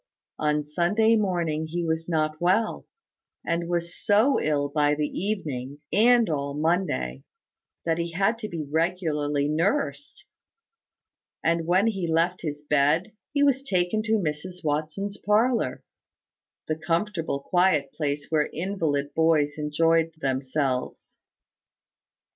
On Sunday morning he was not well; and was so ill by the evening, and all Monday, that he had to be regularly nursed; and when he left his bed, he was taken to Mrs Watson's parlour, the comfortable, quiet place where invalid boys enjoyed themselves.